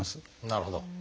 なるほど。